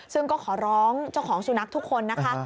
ซึ่งก็ขอร้องเจ้าของสุนัขทุกคนนะคะ